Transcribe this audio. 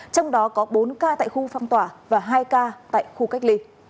trong đó có bốn ca tại khu phong tỏa và hai ca tại khu cách ly